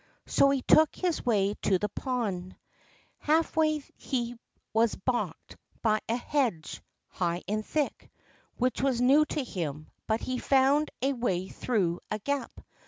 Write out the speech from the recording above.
So he took his way to the pond. Half way he was baulked by a hedge, high and thick, which was new to him, but he found a way through a gap.